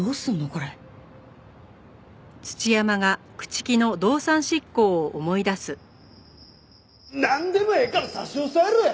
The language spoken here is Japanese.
これなんでもええから差し押さえろや！